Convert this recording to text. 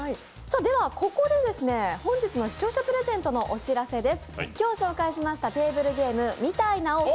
ではここで、本日の視聴者プレゼントのお知らせです。